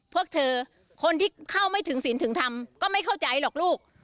พวกเธอคนที่เข้าไม่ถึงศีลถึงธรรมก็ไม่เข้าใจหรอกลูก